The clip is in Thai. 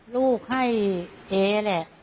ลูกให้เจ๊แหละ